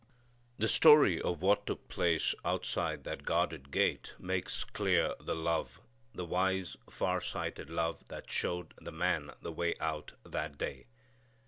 The story of what took place outside that guarded gate makes clear the love, the wise farsighted love that showed the man the way out that day.